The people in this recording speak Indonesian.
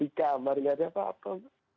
di kamar gak ada apa apa